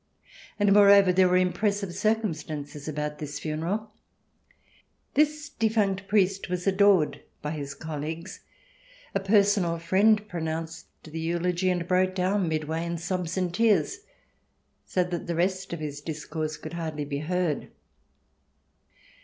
And, moreover, there were impres sive circumstances about this funeral. The defunct priest was adored by his colleagues ; a personal friend pronounced the eulogy, and broke down midway in i66 THE DESIRABLE ALIEN [ch. xii sobs and tears, so that the rest of his discourse could hardly be heard.